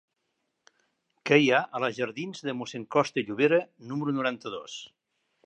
Què hi ha a la jardins de Mossèn Costa i Llobera número noranta-dos?